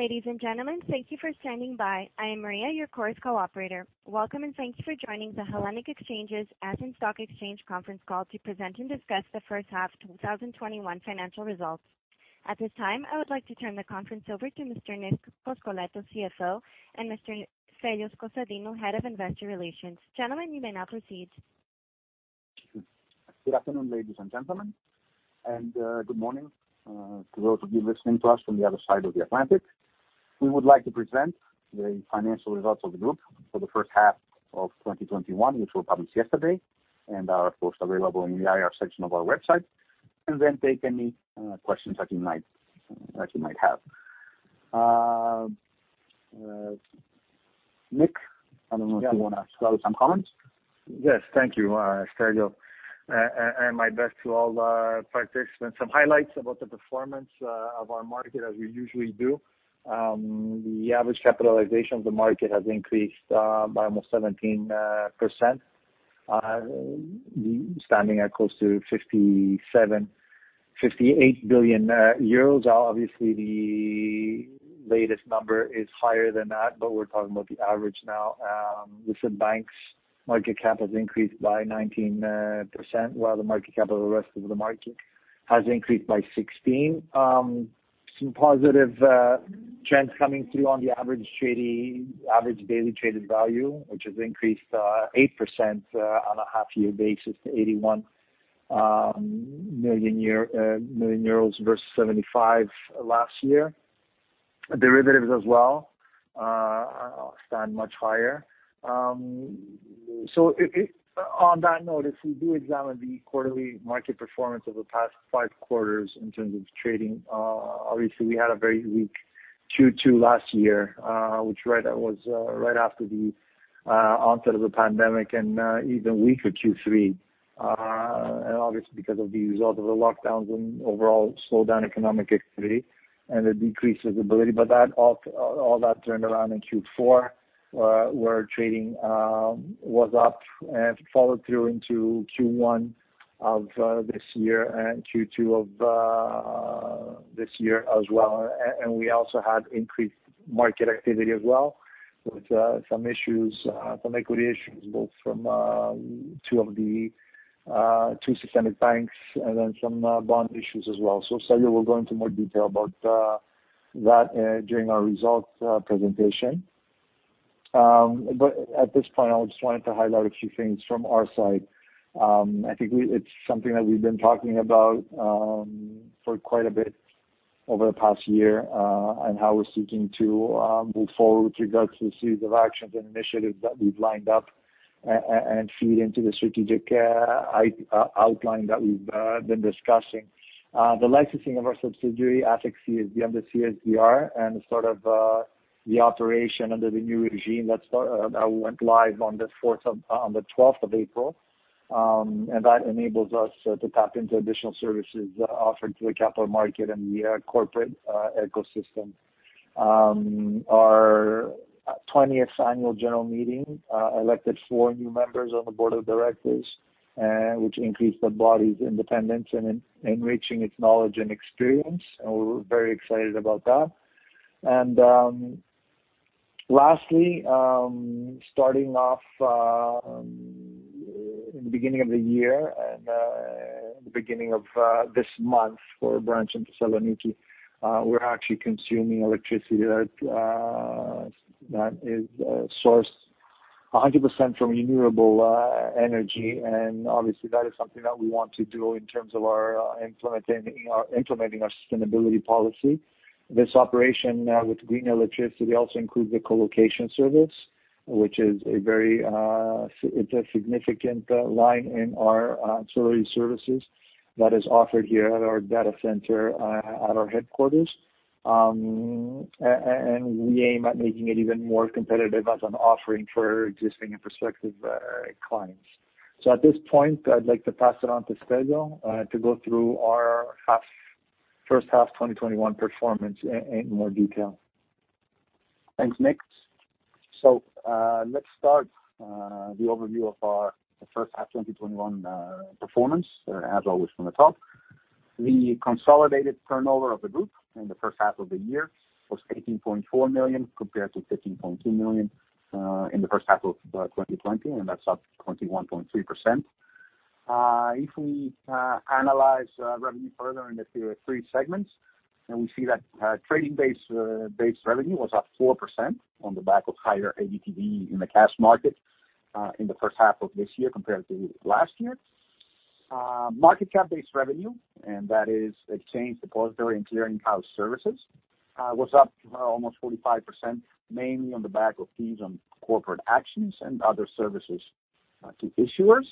Ladies and gentlemen, thank you for standing by. I am Maria, your call coordinator. Welcome, thank you for joining the Hellenic Exchanges Athens Stock Exchange Conference Call to present and discuss the first half 2021 financial results. At this time, I would like to turn the conference over to Mr. Nick Koskoletos, CFO, and Mr. Stelios Konstantinou, Head of Investor Relations. Gentlemen, you may now proceed. Good afternoon, ladies and gentlemen, and good morning to those of you listening to us from the other side of the Atlantic. We would like to present the financial results of the group for the first half of 2021, which were published yesterday and are, of course, available in the IR section of our website, and then take any questions that you might have. Nick, I don't know if you want to start with some comments. Yes. Thank you, Stelios. My best to all our participants. Some highlights about the performance of our market, as we usually do. The average capitalization of the market has increased by almost 17%, standing at close to 58 billion euros. Obviously, the latest number is higher than that, we're talking about the average now. Listed banks market cap has increased by 19%, while the market cap of the rest of the market has increased by 16%. Some positive trends coming through on the average daily traded value, which has increased 8% on a half year basis to 81 million euros versus 75 million last year. Derivatives as well stand much higher. On that note, if we do examine the quarterly market performance over the past five quarters in terms of trading, obviously we had a very weak Q2 last year, which was right after the onset of the pandemic, and even weaker Q3, and obviously because of the result of the lockdowns and overall slowed down economic activity and the decrease of the ability. All that turned around in Q4, where trading was up and followed through into Q1 of this year and Q2 of this year as well, and we also had increased market activity as well, with some equity issues, both from two systemic banks, and then some bond issues as well. Stelios will go into more detail about that during our results presentation. At this point, I just wanted to highlight a few things from our side. I think it's something that we've been talking about for quite a bit over the past year, and how we're seeking to move forward with regards to a series of actions and initiatives that we've lined up and feed into the strategic outline that we've been discussing, the licensing of our subsidiary, ATHEXCSD under CSDR, and the operation under the new regime that went live on the 12th of April. That enables us to tap into additional services offered to the capital market and the corporate ecosystem. Our 20th annual general meeting elected four new members on the Board of Directors, which increased the body's independence and enriching its knowledge and experience. We're very excited about that. Lastly, starting off in the beginning of the year and the beginning of this month for our branch in Thessaloniki, we're actually consuming electricity that is sourced 100% from renewable energy. Obviously that is something that we want to do in terms of implementing our sustainability policy. This operation with greener electricity also includes a Co-location service, which is a significant line in our ancillary services that is offered here at our data center at our headquarters, and we aim at making it even more competitive as an offering for existing and prospective clients. At this point, I'd like to pass it on to Stelios to go through our first half 2021 performance in more detail. Thanks, Nick. Let's start the overview of our first half 2021 performance, as always, from the top. The consolidated turnover of the group in the first half of the year was 18.4 million, compared to 15.2 million in the first half of 2020, that's up 21.3%. If we analyze revenue further into three segments, we see that trading-based revenue was up 4% on the back of higher ADTV in the cash market in the first half of this year compared to last year. Market cap based revenue, that is exchange depository and clearing house services, was up almost 45%, mainly on the back of fees on corporate actions and other services to issuers.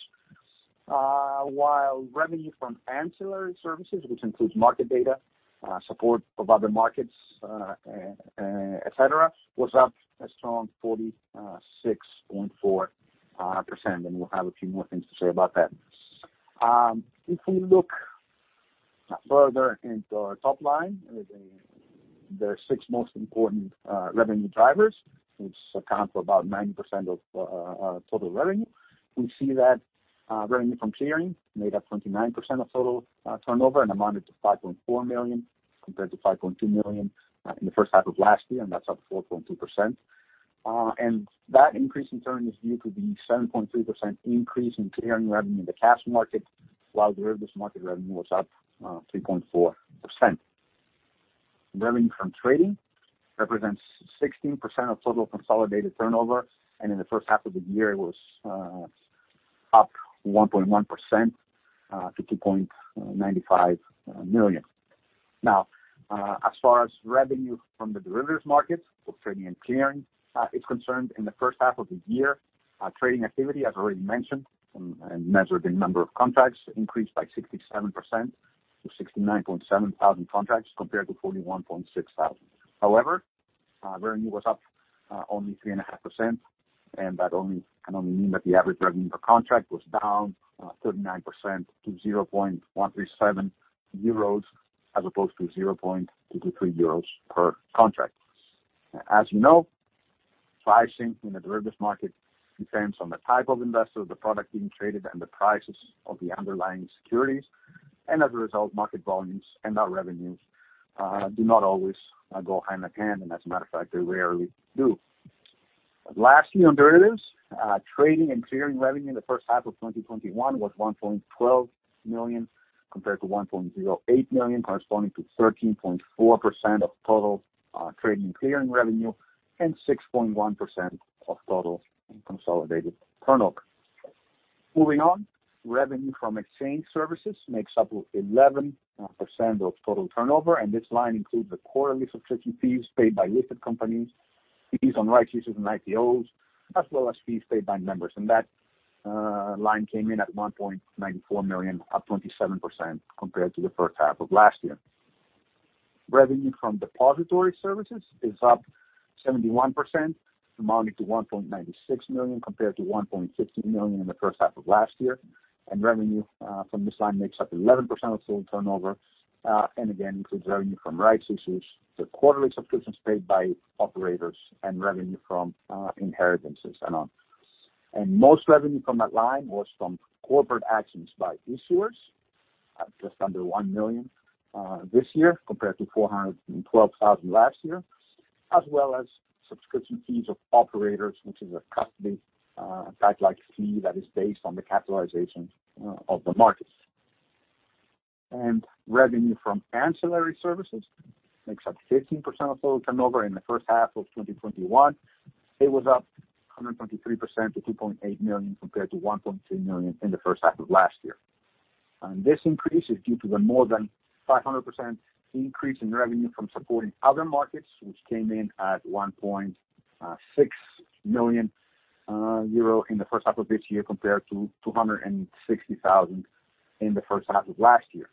Revenue from ancillary services, which includes market data, support of other markets, et cetera, was up a strong 46.4%, we'll have a few more things to say about that. If we look further into our top line, the six most important revenue drivers, which account for about 90% of our total revenue, we see that revenue from clearing made up 29% of total turnover and amounted to 5.4 million compared to 5.2 million in the first half of last year. That's up 4.2%. That increase in turn is due to the 7.3% increase in clearing revenue in the cash market, while derivatives market revenue was up 3.4%. Revenue from trading represents 16% of total consolidated turnover. In the first half of the year, it was up 1.1% to 2.95 million. Now, as far as revenue from the derivatives market for trading and clearing is concerned, in the first half of the year, trading activity, as already mentioned, and measured in number of contracts, increased by 67% to 69,700 contracts compared to 41,600. However, revenue was up only 3.5%, and that can only mean that the average revenue per contract was down 39% to 0.137 euros, as opposed to 0.23 euros per contract. As you know, pricing in the derivatives market depends on the type of investor, the product being traded, and the prices of the underlying securities, and as a result, market volumes and our revenues do not always go hand in hand, and as a matter of fact, they rarely do. Lastly on derivatives, trading and clearing revenue in the first half of 2021 was 1.12 million compared to 1.08 million, corresponding to 13.4% of total trading and clearing revenue and 6.1% of total consolidated turnover. Moving on, revenue from exchange services makes up 11% of total turnover, and this line includes the quarterly subscription fees paid by listed companies, fees on rights issues and IPOs, as well as fees paid by members. That line came in at 1.94 million, up 27% compared to the first half of last year. Revenue from depository services is up 71%, amounting to 1.96 million compared to 1.15 million in the first half of last year. Revenue from this line makes up 11% of total turnover. Again, includes revenue from rights issues, the quarterly subscriptions paid by operators, and revenue from inheritances and all. Most revenue from that line was from corporate actions by issuers at just under 1 million this year compared to 412,000 last year, as well as subscription fees of operators, which is a custody-type-like fee that is based on the capitalization of the markets. Revenue from ancillary services makes up 15% of total turnover in the first half of 2021. It was up 123% to 2.8 million compared to 1.2 million in the first half of last year. This increase is due to the more than 500% increase in revenue from supporting other markets, which came in at 1.6 million euro in the first half of this year compared to 260,000 in the first half of last year.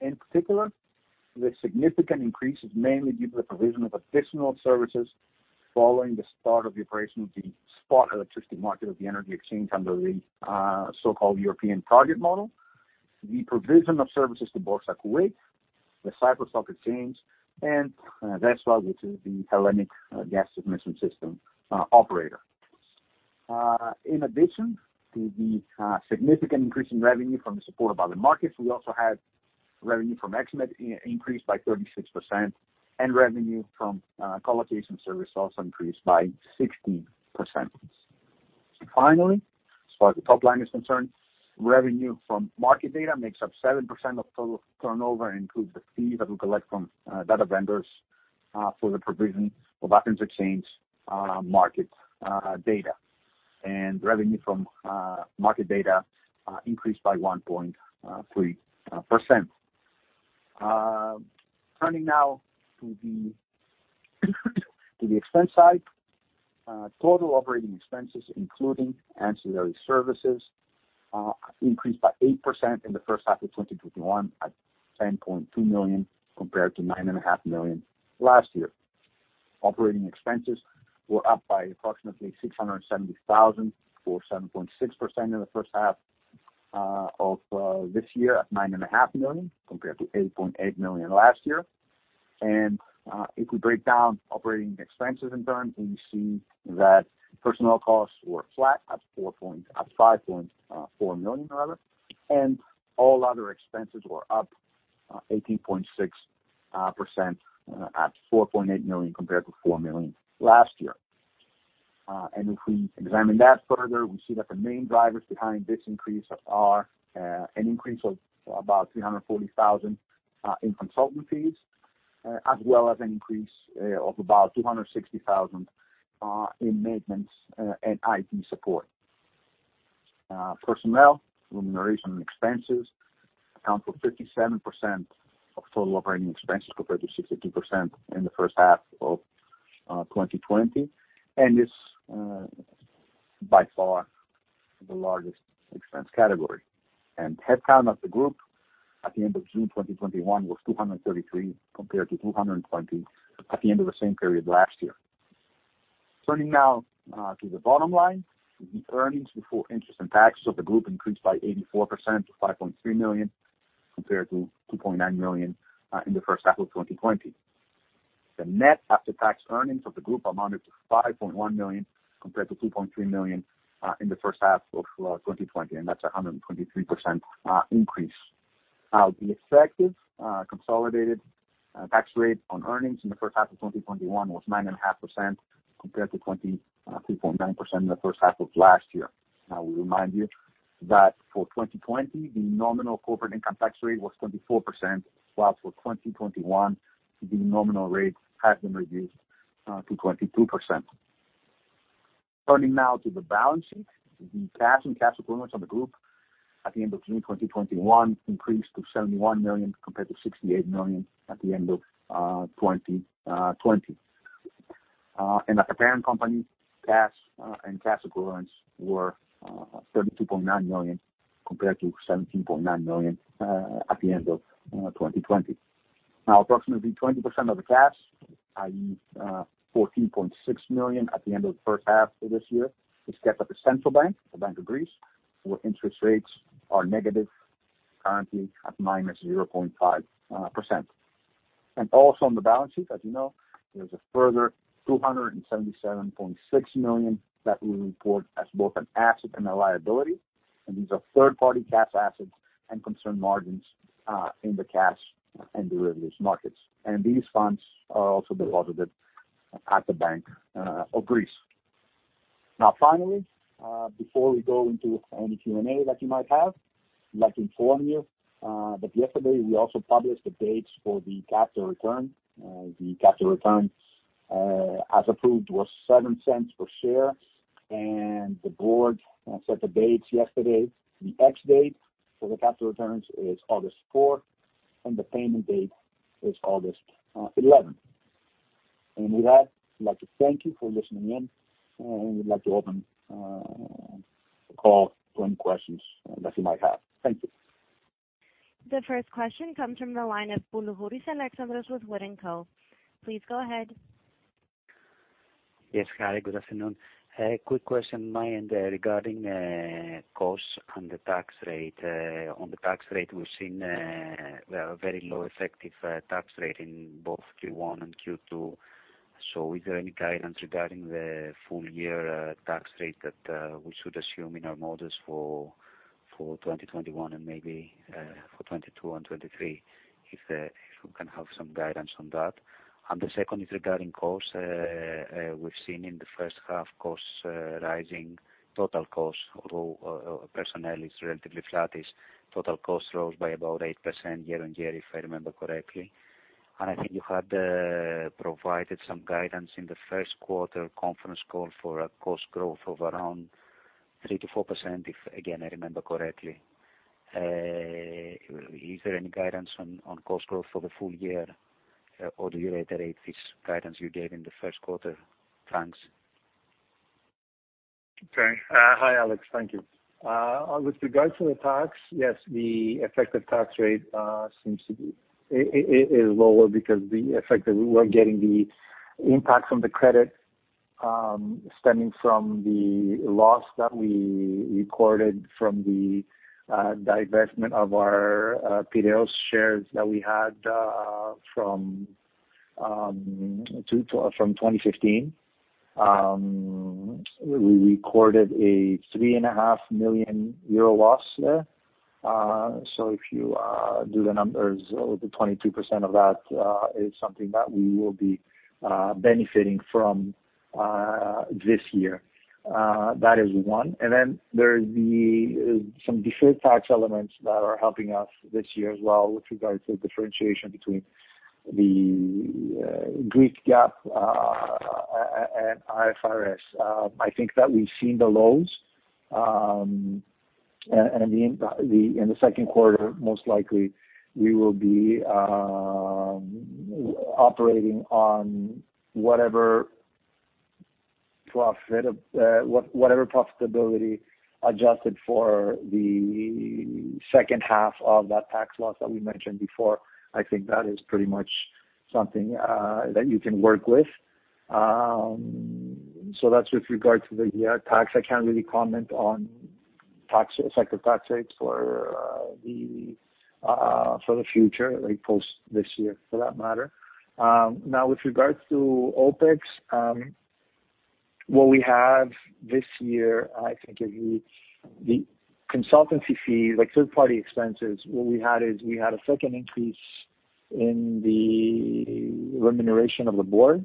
In particular, the significant increase is mainly due to the provision of additional services following the start of the operation of the spot electricity market of the Energy Exchange under the so-called European Target Model, the provision of services to Boursa Kuwait, the Cyprus Stock Exchange, and DESFA which is the Hellenic Gas Transmission System Operator. In addition to the significant increase in revenue from the support of other markets, we also had revenue from XNET increased by 36%, and revenue from Colocation service also increased by 60%. Finally, as far as the top line is concerned, revenue from market data makes up 7% of total turnover and includes the fee that we collect from data vendors for the provision of Athens Stock Exchange market data. Revenue from market data increased by 1.3%. Turning now to the expense side. Total operating expenses, including ancillary services, increased by 8% in the first half of 2021 at 10.2 million compared to 9.5 million last year. Operating expenses were up by approximately 670,000, or 7.6% in the first half of this year at 9.5 million, compared to 8.8 million last year. If we break down operating expenses in turn, we see that personnel costs were flat at 5.4 million, and all other expenses were up 18.6% at 4.8 million compared to 4 million last year. If we examine that further, we see that the main drivers behind this increase are an increase of about 340,000 in consultant fees, as well as an increase of about 260,000 in maintenance and IT support. Personnel remuneration expenses account for 57% of total operating expenses, compared to 62% in the first half of 2020, and is by far the largest expense category. Headcount of the group at the end of June 2021 was 233 compared to 220 at the end of the same period last year. Turning now to the bottom line. The earnings before interest and taxes of the group increased by 84% to 5.3 million compared to 2.9 million in the first half of 2020. The net after-tax earnings of the group amounted to 5.1 million compared to 2.3 million in the first half of 2020. That's a 123% increase. The effective consolidated tax rate on earnings in the first half of 2021 was 9.5% compared to 23.9% in the first half of last year. We remind you that for 2020, the nominal corporate income tax rate was 24%, while for 2021, the nominal rate has been reduced to 22%. Turning now to the balance sheet. The cash and cash equivalents of the group at the end of June 2021 increased to 71 million, compared to 68 million at the end of 2020. At the parent company, cash and cash equivalents were 32.9 million compared to 17.9 million at the end of 2020. Approximately 20% of the cash, i.e., 14.6 million at the end of the first half for this year, is kept at the central bank, the Bank of Greece, where interest rates are negative, currently at minus 0.5%. Also on the balance sheet, as you know, there's a further 277.6 million that we report as both an asset and a liability, and these are third-party cash assets and concern margins in the cash and derivatives markets. These funds are also deposited at the Bank of Greece. Finally, before we go into any Q&A that you might have, I'd like to inform you that yesterday we also published the dates for the capital return. The capital return, as approved, was 0.07 per share. The board set the dates yesterday. The ex-date for the capital returns is August 4, and the payment date is August 11. With that, I'd like to thank you for listening in, and we'd like to open the call for any questions that you might have. Thank you. The first question comes from the line of Alexandros Boulougouris with WOOD & Company. Please go ahead. Yes, Maria. Good afternoon. A quick question on my end regarding costs and the tax rate. On the tax rate, we've seen a very low effective tax rate in both Q1 and Q2. Is there any guidance regarding the full-year tax rate that we should assume in our models for 2021 and maybe for 2022 and 2023? If we can have some guidance on that. The second is regarding costs. We've seen in the first half costs rising, total costs, although personnel is relatively flat, total cost rose by about 8% year-on-year, if I remember correctly. I think you had provided some guidance in the first quarter conference call for a cost growth of around 3%-4%, if again, I remember correctly. Is there any guidance on cost growth for the full year, or do you reiterate this guidance you gave in the first quarter? Thanks. Hi, Alex. Thank you. With regards to the tax, yes, the effective tax rate is lower because the effect that we were getting, the impact from the credit stemming from the loss that we recorded from the divestment of our Piraeus shares that we had from 2015. We recorded a 3.5 million euro loss there. If you do the numbers, the 22% of that is something that we will be benefiting from this year. That is one. There is some deferred tax elements that are helping us this year as well with regards to differentiation between the Greek GAAP and IFRS. I think that we've seen the lows, and in the second quarter, most likely we will be operating on whatever profitability, adjusted for the second half of that tax loss that we mentioned before. I think that is pretty much something that you can work with. That's with regard to the tax. I can't really comment on effective tax rates for the future, like post this year for that matter. With regards to OPEX, what we have this year, the consultancy fee, like third-party expenses, what we had is a second increase in the remuneration of the board.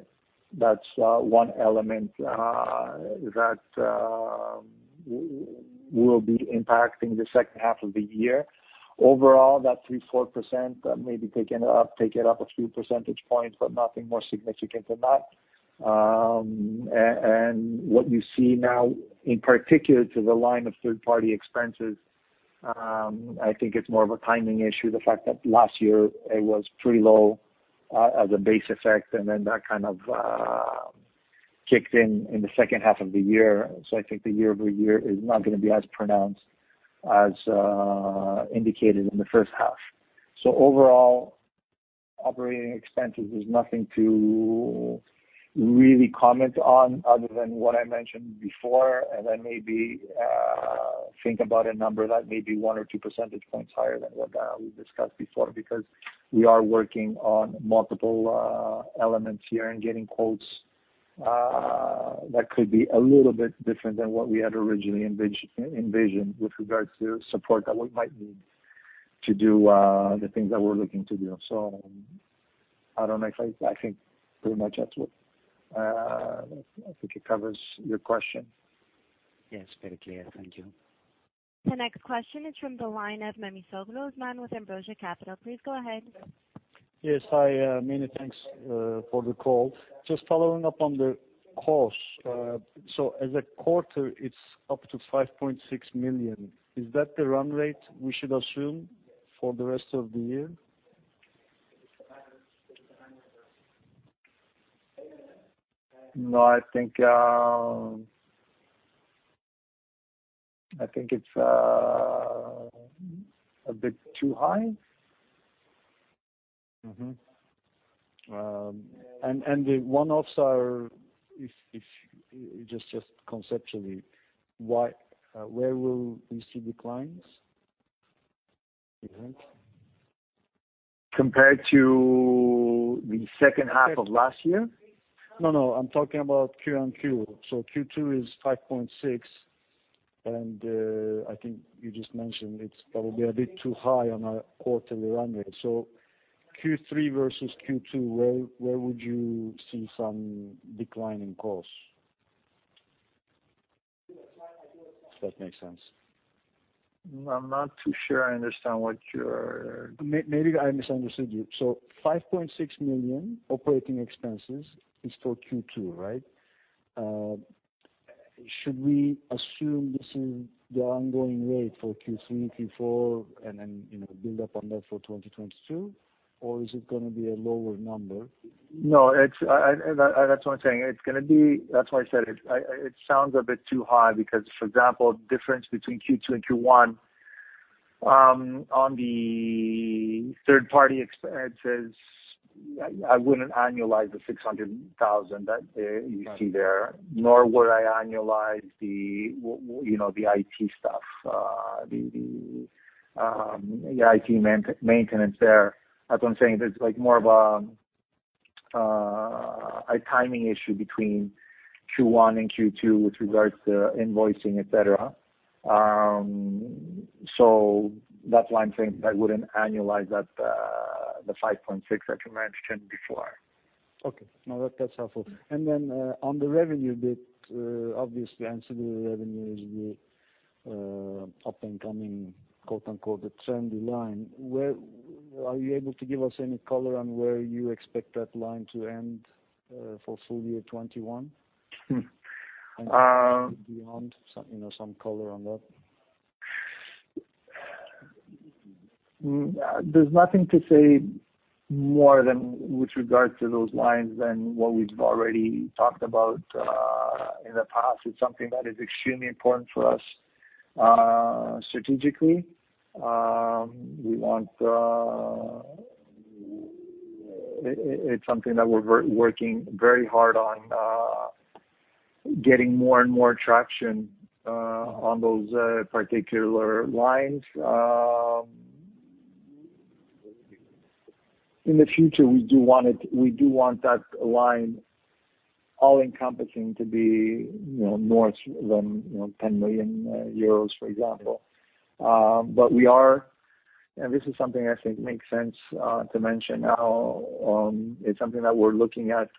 That's one element that will be impacting the second half of the year. Overall, that 3%, 4%, maybe take it up a few percentage points, but nothing more significant than that. What you see now, in particular to the line of third-party expenses, I think it's more of a timing issue, the fact that last year it was pretty low as a base effect, and then that kind of kicked in in the second half of the year. I think the year-over-year is not going to be as pronounced as indicated in the first half. Overall, operating expenses, there's nothing to really comment on other than what I mentioned before. Maybe think about a number that may be one or two percentage points higher than what we discussed before, because we are working on multiple elements here and getting quotes. That could be a little bit different than what we had originally envisioned with regards to support that we might need to do the things that we're looking to do. I don't know, I think pretty much that's it. I think it covers your question. Yes, very clear. Thank you. The next question is from the line of Osman Memisoglou with Ambrosia Capital. Please go ahead. Yes. Hi, many thanks for the call. Just following up on the costs. As a quarter, it's up to 5.6 million. Is that the run rate we should assume for the rest of the year? No, I think it's a bit too high. Mm-hmm. The one-offs are, if just conceptually, where will we see declines? Do you think? Compared to the second half of last year? I'm talking about Q on Q. Q2 is 5.6, and I think you just mentioned it's probably a bit too high on a quarterly run rate. Q3 versus Q2, where would you see some decline in costs? If that makes sense. I'm not too sure I understand what you're. Maybe I misunderstood you. 5.6 million operating expenses is for Q2, right? Should we assume this is the ongoing rate for Q3, Q4, and then build up on that for 2022? Is it going to be a lower number? No, that's what I'm saying. That's why I said it. It sounds a bit too high because, for example, difference between Q2 and Q1, on the third-party expenses, I wouldn't annualize the 600,000 that you see there, nor would I annualize the IT stuff. The IT maintenance there. As I'm saying, there's more of a timing issue between Q1 and Q2 with regards to invoicing, et cetera. That's why I'm saying I wouldn't annualize the 5.6 that you mentioned before. Okay. No, that's helpful. On the revenue bit, obviously ancillary revenue is the up-and-coming, quote-unquote, the trendy line. Are you able to give us any color on where you expect that line to end for full year 2021 and beyond? Some color on that. There's nothing to say more than with regards to those lines than what we've already talked about in the past. It's something that is extremely important for us strategically. It's something that we're working very hard on getting more and more traction on those particular lines. In the future, we do want that line all-encompassing to be more than 10 million euros, for example. We are, and this is something I think makes sense to mention now, it's something that we're looking at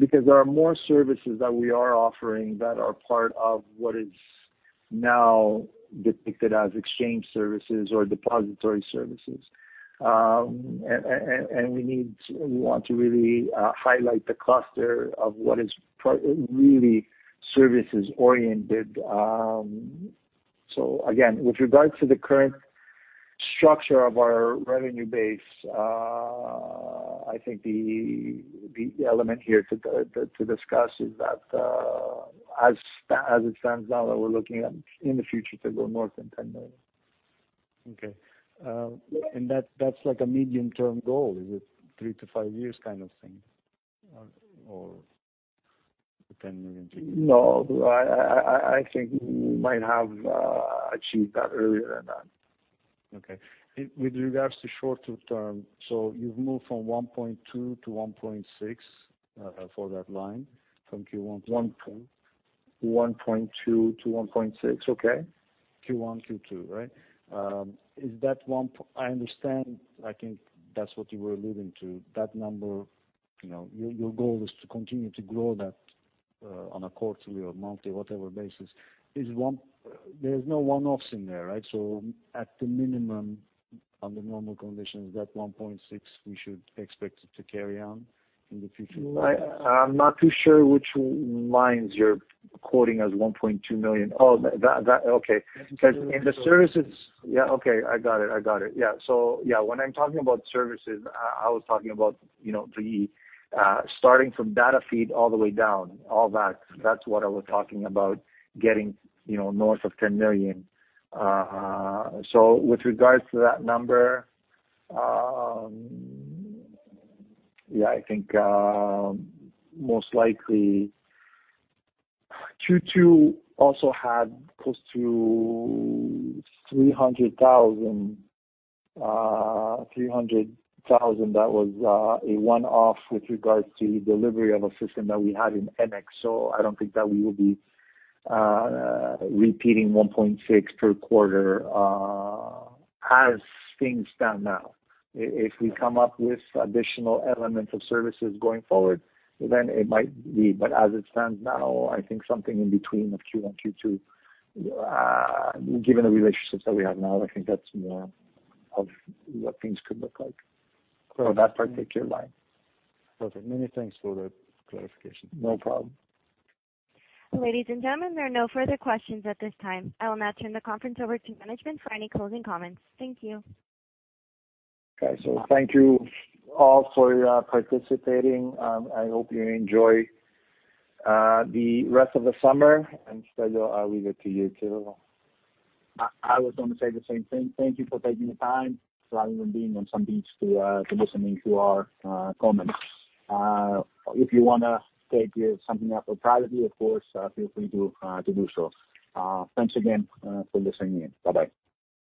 because there are more services that we are offering that are part of what is now depicted as exchange services or depository services. We want to really highlight the cluster of what is really services-oriented. Again, with regards to the current structure of our revenue base, I think the element here to discuss is that, as it stands now, that we're looking at, in the future, to go more than 10 million. Okay. That's like a medium-term goal? Is it three to five years kind of thing? I think we might have achieved that earlier than that. Okay. With regards to shorter term, you've moved from 1.2 to 1.6 for that line from Q1. 1.2 to 1.6. Okay. Q1, Q2, right? I understand, I think that's what you were alluding to, that number, your goal is to continue to grow that on a quarterly or monthly, whatever basis. There's no one-offs in there, right? At the minimum, under normal conditions, that 1.6, we should expect it to carry on in the future? I'm not too sure which lines you're quoting as 1.2 million. Oh, that. Okay, because in the services. Yeah. Okay. I got it. Yeah, when I'm talking about services, I was talking about starting from data feed all the way down, all that. That's what I was talking about getting north of 10 million. With regards to that number, yeah, I think, most likely Q2 also had close to 300,000. 300,000, that was a one-off with regards to delivery of a system that we had in EnEx. I don't think that we will be repeating 1.6 per quarter as things stand now. If we come up with additional elements of services going forward, then it might be. As it stands now, I think something in between of Q1 and Q2, given the relationships that we have now, I think that's more of what things could look like for that particular line. Perfect. Many thanks for that clarification. No problem. Ladies and gentlemen, there are no further questions at this time. I will now turn the conference over to management for any closing comments. Thank you. Okay, thank you all for participating. I hope you enjoy the rest of the summer. Stelios, I'll leave it to you too. I was going to say the same thing. Thank you for taking the time rather than being on some beach to listening to our comments. If you want to take something up with privately, of course, feel free to do so. Thanks again for listening in. Bye-bye.